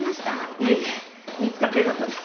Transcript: いえいえ見つかってよかったです。